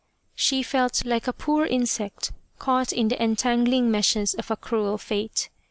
She felt like a poor insect caught in the entangling meshes of a cruel Fate.